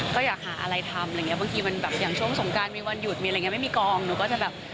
ก็อยากหาอะไรทำบางทีมันแบบอย่างช่วงสมการมีวันหยุดไม่มีกองหนูก็จะแบบ